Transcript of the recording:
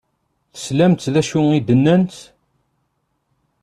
Teslamt d acu i d-nnant?